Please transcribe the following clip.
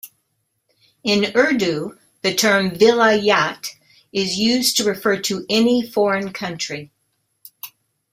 In Urdu, the term "Vilayat" is used to refer to any foreign country.